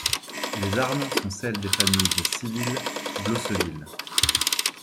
Les armes sont celles des familles de Civille-Blosseville.